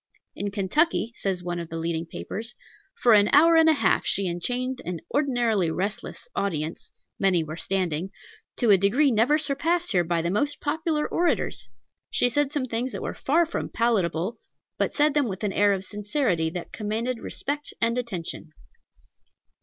In Kentucky, says one of the leading papers, "For an hour and a half she enchained an ordinarily restless audience many were standing to a degree never surpassed here by the most popular orators. She said some things that were far from palatable, but said them with an air of sincerity that commanded respect and attention."